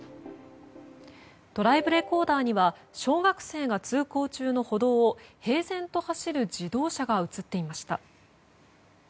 ドライブレコーダーには小学生が通行中の歩道を平然と走る自動車が映っていました。